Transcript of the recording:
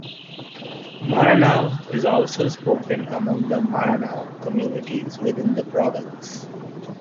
Maranao is also spoken among the Maranao communities within the province.